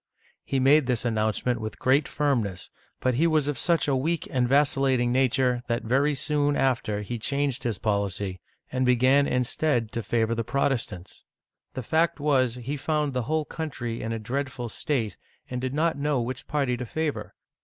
He made this announcement with great firmness, but he was of such a weak and vacillating nature that very soon after he changed his policy, and began, instead, to favor the Prot estants. The fact was that he found the whole country in a dreadful state, and did not know which party to favor.